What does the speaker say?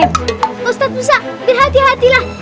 ustazah musa berhati hatilah